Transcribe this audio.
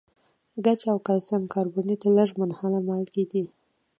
ګچ او کلسیم کاربونیټ لږ منحله مالګې دي.